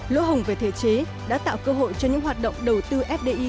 lỗ hồng về thể chế đã tạo cơ hội cho những hoạt động đầu tư fdi